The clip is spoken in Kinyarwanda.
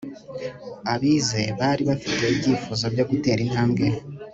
abize bari bafite ibyifuzo byo gutera intambwe